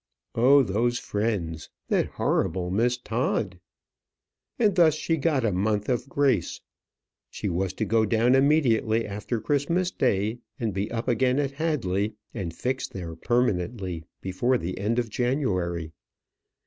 Oh, those friends! that horrible Miss Todd! And thus she got a month of grace. She was to go down immediately after Christmas day, and be up again at Hadley, and fixed there permanently, before the end of January.